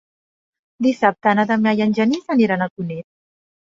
Dissabte na Damià i en Genís aniran a Cunit.